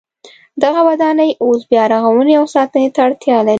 دغه ودانۍ اوس بیا رغونې او ساتنې ته اړتیا لري.